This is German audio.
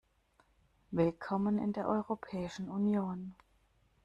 Willkommen in der Europäischen Union!